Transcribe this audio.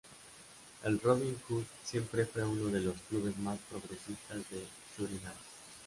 El Robinhood siempre fue uno de los clubes más progresistas de Surinam.